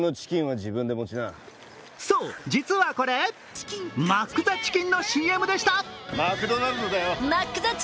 そう実はこれマックザチキンのＣＭでした。